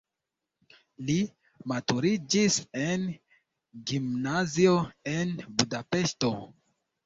Li maturiĝis en gimnazio en Budapeŝto.